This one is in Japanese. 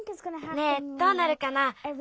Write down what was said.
ねえどうなるかな？